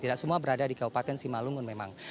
tidak semua berada di kabupaten simalungun memang